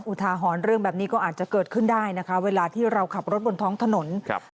อุทาหรณ์เรื่องแบบนี้ก็อาจจะเกิดขึ้นได้นะคะเวลาที่เราขับรถบนท้องถนนครับ